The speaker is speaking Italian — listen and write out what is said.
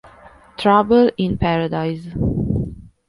Trouble in Paradise